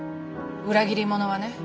裏切り者はね